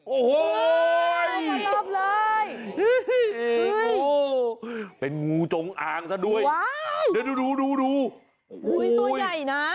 โอ้โหมารอบเลยโอ้โหเป็นงูจงอางซะด้วยดูโอ้โหตัวใหญ่นะ